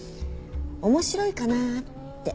面白いかなって。